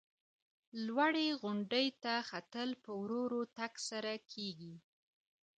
لوړې غونډۍ ته ختل په ورو ورو تګ سره کېږي.